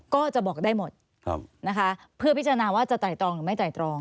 ก็จะบอกได้หมดนะคะเพื่อพิจารณาว่าจะไต่ตรองหรือไม่ไต่ตรอง